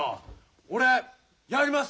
俺やります！